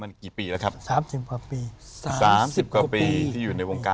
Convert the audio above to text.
อาจารย์ตอย